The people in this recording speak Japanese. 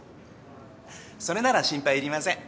それなら心配いりません。